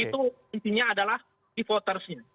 itu intinya adalah e votersnya